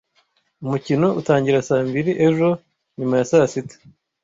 Umukino utangira saa mbiri ejo nyuma ya saa sita.